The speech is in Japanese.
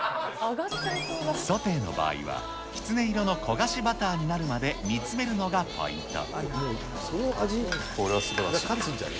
ソテーの場合は、きつね色の焦がしバターになるまで、煮詰めるのがポイント。